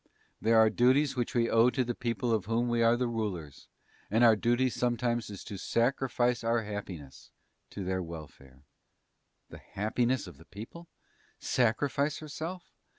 There are duties which we owe to the people of whom we are the rulers, and our duty sometimes is to sacrifice our happiness to their welfare." (The "happiness of the people!" "sacrifice herself!"